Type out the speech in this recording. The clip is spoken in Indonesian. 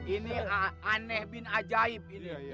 ini aneh bin ajaib